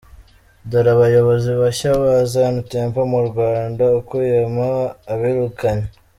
Dore abayobozi bashya ba Zion Temple mu Rwanda ukuyemo abirukanywe.